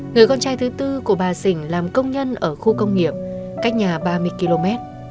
người con trai thứ tư của bà sỉnh làm công nhân ở khu công nghiệp cách nhà ba mươi km